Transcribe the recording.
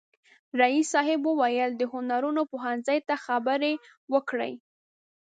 رئیس صاحب وویل د هنرونو پوهنځي ته خبرې وکړي.